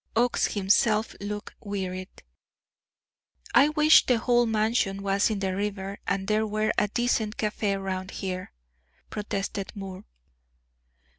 Oakes himself looked wearied. "I wish the whole Mansion was in the river, and there were a decent café round here," protested Moore.